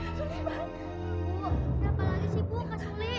ibu berapa lagi sibuk kak suli